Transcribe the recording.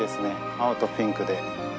青とピンクで。